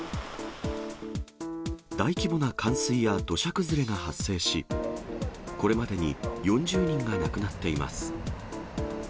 大規模な冠水や土砂崩れが発生し、これまでに４０人が亡くなっています。